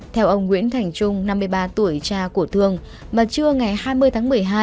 theo ông nguyễn thành trung năm mươi ba tuổi cha của thương mà trưa ngày hai mươi tháng một mươi hai